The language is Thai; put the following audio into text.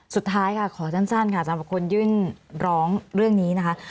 สุดท้ายค่ะขอสั้นค่ะสำหรับคนยื่นร้องเรื่องนี้นะคะ